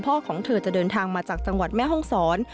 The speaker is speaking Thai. ของเธอจะเดินทางมาจากจังหวัดแม่ห้องศร